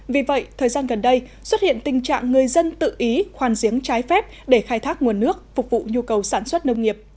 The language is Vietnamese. vì vậy thời gian gần đây xuất hiện tình trạng người dân tự ý khoan giếng trái phép để khai thác nguồn nước phục vụ nhu cầu sản xuất nông nghiệp